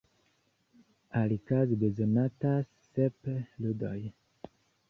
Alikaze bezonatas sep ludoj.